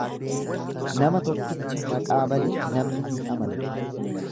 Nama tokkicha maqaa bade namni hin amanu.